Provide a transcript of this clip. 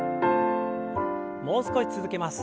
もう少し続けます。